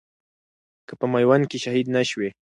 که په ميوند کښي شهيد نه شوې